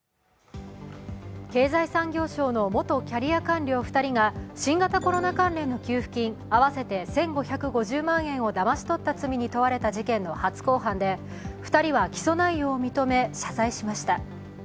経済産業省の元キャリア官僚２人が新型コロナ関連の給付金合わせて１５５０万円をだまし取った罪に問われた事件の初公判で２人は起訴内容を認め謝罪しました。